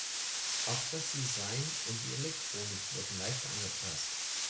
Auch das Design und die Elektronik wurden leicht angepasst.